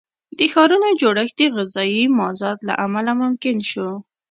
د ښارونو جوړښت د غذایي مازاد له امله ممکن شو.